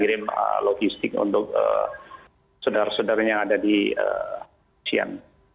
jadi ini adalah satu contoh yang saya inginkan untuk saudara saudaranya yang ada di kepolisian